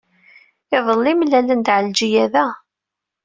Iḍelli, mlalen-d Ɛelǧiya da.